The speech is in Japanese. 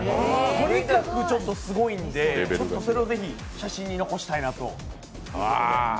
とにかくちょっとすごいのでそれをぜひ写真に残したいなと。